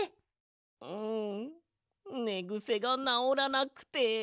うんねぐせがなおらなくて。